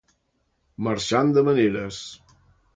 Marxant de maneres.